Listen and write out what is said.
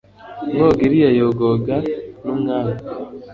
mwogo iriya yogoga n'umwami